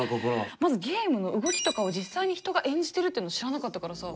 まずゲームの動きとかを実際に人が演じてるっていうの知らなかったからさ。